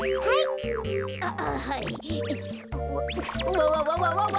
わわわわわわ。